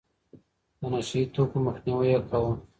د نشه يي توکو مخنيوی يې کاوه.